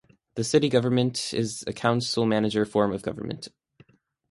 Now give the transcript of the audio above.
The city government is a council-manager form of government.